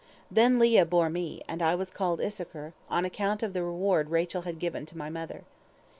"Then Leah bore me, and I was called Issachar, on account of the reward Rachel had given to my mother.